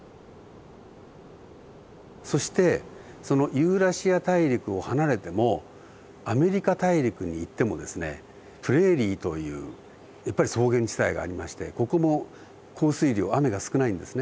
そしてそのユーラシア大陸を離れてもアメリカ大陸に行ってもですねプレーリーというやっぱり草原地帯がありましてここも降水量雨が少ないんですね。